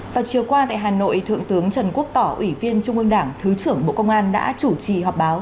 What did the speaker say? vào chiều qua tại hà nội thượng tướng trần quốc tỏ ủy viên trung ương đảng thứ trưởng bộ công an đã chủ trì họp báo